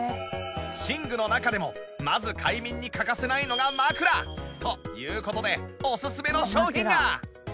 寝具の中でもまず快眠に欠かせないのが枕という事でおすすめの商品が